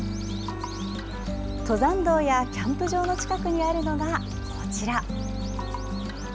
登山道やキャンプ場の近くにあるのが、こちら。